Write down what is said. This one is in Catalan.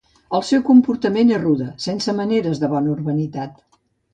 El seu comportament és rude, sense maneres de bona urbanitat.